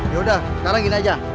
yaudah sekarang gini aja